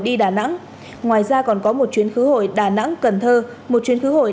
đi đà nẵng ngoài ra còn có một chuyến khứ hội